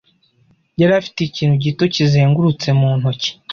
Yari afite ikintu gito kizengurutse mu ntoki.